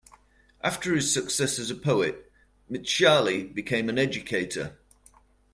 After his success as a poet, Mtshali became an educator.